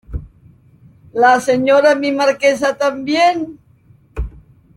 ¿ la Señora mi Marquesa también?